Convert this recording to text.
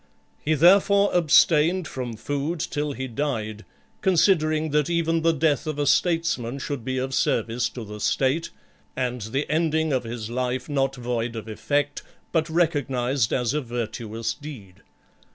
He therefore abstained from food till he died, considering that even the death of a statesman should be of service to the state, and the ending of his life not void of effect, but recognized as a virtuous deed.